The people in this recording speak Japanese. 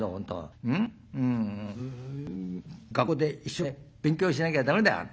学校で一生懸命勉強しなきゃ駄目だよ本当。